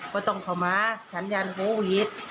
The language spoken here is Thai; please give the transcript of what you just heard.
ว่าต้องเข้ามาฉันย่านโฮวิด